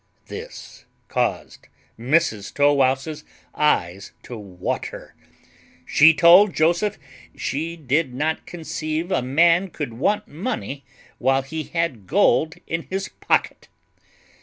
This caused Mrs Tow wouse's eyes to water; she told Joseph she did not conceive a man could want money whilst he had gold in his pocket.